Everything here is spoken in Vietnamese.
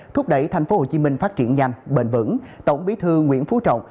thúc đẩy tp hcm phát triển nhanh bền vững tổng bí thư nguyễn phú trọng